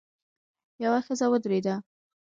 يوه ښځه ودرېده.